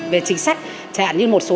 về chính sách chẳng hạn như một số